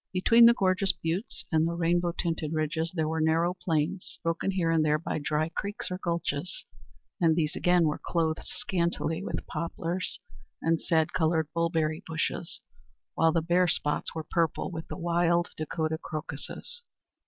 Between the gorgeous buttes and rainbow tinted ridges there were narrow plains, broken here and there by dry creeks or gulches, and these again were clothed scantily with poplars and sad colored bull berry bushes, while the bare spots were purple with the wild Dakota crocuses.